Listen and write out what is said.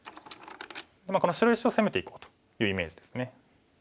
この白石を攻めていこうというイメージですね。